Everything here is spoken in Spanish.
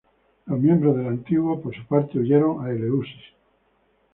Los miembros del antiguo, por su parte, huyeron a Eleusis.